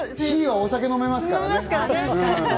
シーはお酒飲めますからね。